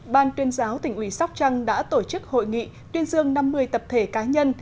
ban tuyên giáo tỉnh ủy sóc trăng đã tổ chức hội nghị tuyên dương năm mươi tập thể cá nhân